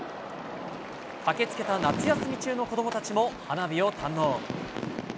駆けつけた夏休み中の子どもたちも花火を堪能。